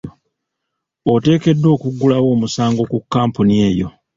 Oteekeddwa okuggulawo omusango ku kampuni eyo.